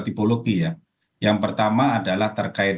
tipologi ya yang pertama adalah terkait